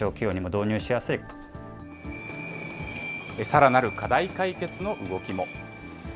さらなる課題解決の動きも。